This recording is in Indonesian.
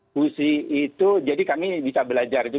puisi itu jadi kami bisa belajar